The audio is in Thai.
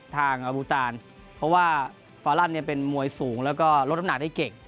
ทางอบูตานเพราะว่าฟาลันเนี่ยเป็นมวยสูงแล้วก็ลดน้ำหนักได้เก่ง